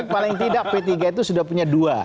paling tidak p tiga itu sudah punya dua